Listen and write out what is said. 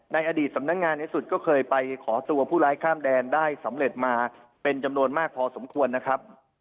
ในอดีตสำนักงานในสุดก็เคยไปขอตัวผู้ร้ายข้ามแดนได้สำเร็จมาเป็นจำนวนมากพอสมควรนะครับ